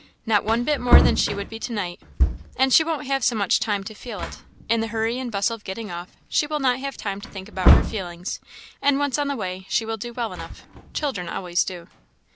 "Not one bit more that she would be to night, and she won't have so much time to feel it. In the hurry and bustle of getting off, she will not have time to think about her feelings; and once on the way, she will do well enough; children always do."